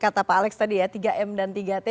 kata pak alex tadi ya tiga m dan tiga t